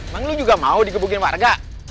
bang lo juga mau dikebukin warga